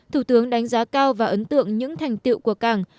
thủ tướng đánh giá cao và ấn tượng những thành tiệu của cảng